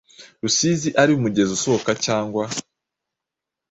Rusizi ari umugezi usohoka cyangwa